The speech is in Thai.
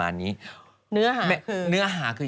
วันที่สุดท้าย